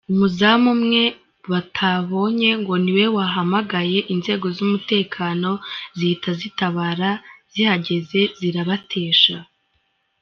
Umuzamu umwe batabonye ngo ni we wahamagaye inzego z’umutekano zihita zitabara zihageze zirabatesha.